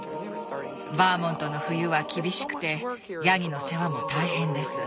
バーモントの冬は厳しくてヤギの世話も大変です。